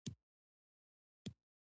هندوکش د اړتیاوو د پوره کولو وسیله ده.